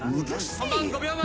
本番５秒前！